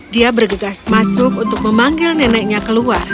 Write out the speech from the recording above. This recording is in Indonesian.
dia bergegas masuk untuk memanggil neneknya keluar